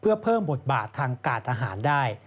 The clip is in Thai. เพื่อเพิ่มบทบาททางการทหารได้